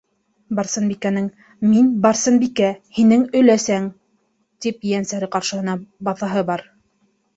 Барсынбикәнең: «Мин - Барсынбикә, һинең өләсәң!» - тип ейәнсәре ҡаршыһына баҫаһы бар.